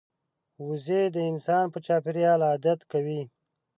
وزې د انسان په چاپېریال عادت کوي